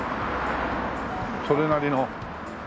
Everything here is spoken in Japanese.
それなりの広い。